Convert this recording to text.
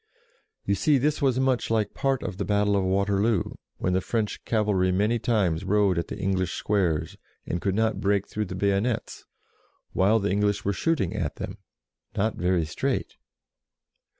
You see this was much like part of the battle of Waterloo, when the French cavalry many times rode at the English squares, and could not break through the bayonets, while the English were shooting at them not very straight